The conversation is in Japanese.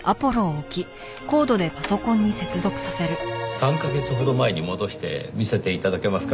３カ月ほど前に戻して見せて頂けますか？